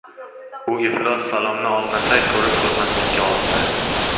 U iflos salomni olmasa. Ko‘rib ko‘rmaslikka olsa".